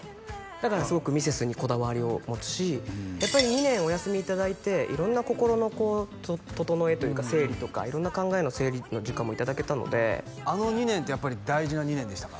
だからすごくミセスにこだわりを持つしやっぱり２年お休みいただいて色んな心の整えというか整理とか色んな考えの整理の時間もいただけたのであの２年ってやっぱり大事な２年でしたか？